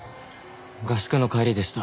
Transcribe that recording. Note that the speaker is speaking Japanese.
合宿の帰りでした。